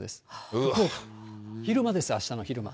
福岡、昼間ですよ、あしたの昼間。